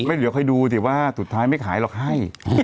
เดี๋ยวคอยดูสิว่าสุดท้ายไม่ขายหรอกให้